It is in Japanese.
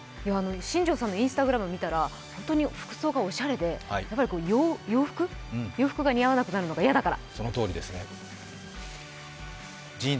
新庄さんのＩｎｓｔａｇｒａｍ見たら本当に服装がおしゃれで、洋服が似合わなくなるのが嫌だから？